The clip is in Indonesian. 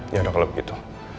ya udah kalau begitu